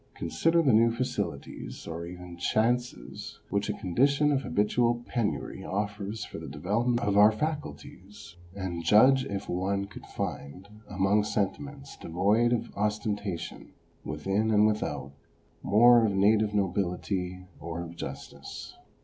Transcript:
Consider the few facilities, or even chances, which a condition of habitual penury offers for the development of our faculties, and judge if one could find, among sentiments devoid of ostentation within and without, more of native nobility or of justice.